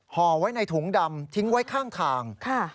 ห่อไว้ในถุงดำทิ้งไว้ข้างทาง